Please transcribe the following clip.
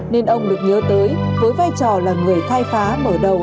nên ông được nhớ tới với vai trò là người khai phá mở đầu